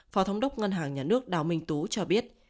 phó thống đốc ngân hàng nhà nước đào minh tú cho biết